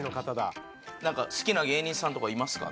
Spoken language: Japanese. なんか好きな芸人さんとかいますか？